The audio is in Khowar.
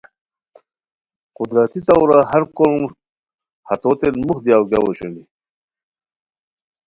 قدرتی طورا ہر کوروم ہتوتین موخ دیاؤ گیاؤ اوشونی